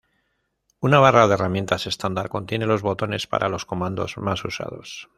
Una barra de herramientas estándar contiene los botones para los comandos más usados.